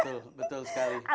betul betul sekali